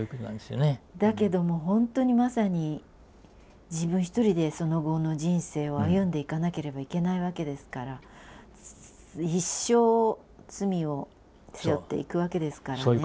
だけどもほんとにまさに自分１人でその後の人生を歩んでいかなければいけないわけですから一生罪を背負っていくわけですからね。